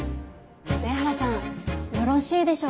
上原さんよろしいでしょうか。